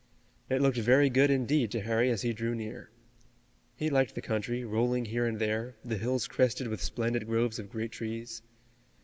It looked very good indeed to Harry as he drew near. He liked the country, rolling here and there, the hills crested with splendid groves of great trees.